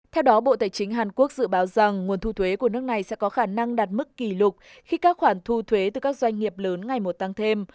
theo đó bộ tài chính hàn quốc dự báo rằng nguồn thu thuế của nước này sẽ có khả năng đạt mức kỷ lục khi các khoản thu thuế từ các doanh nghiệp lớn ngày một tăng thêm